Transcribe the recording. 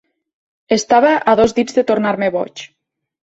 Estava a dos dits de tornar-me boig.